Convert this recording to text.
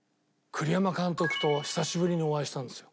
栗山監督と久しぶりにお会いしたんですよ。